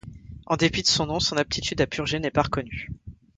En dépit de son nom, son aptitude à purger n'est pas reconnue.